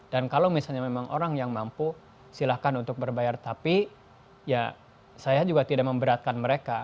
dan kalau misalnya memang orang yang mampu silahkan untuk berbayar tapi ya saya juga tidak memberatkan mereka